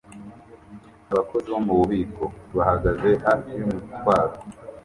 Abakozi bo mu bubiko bahagaze hafi yumutwaro